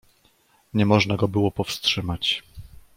"Nie można go było powstrzymać."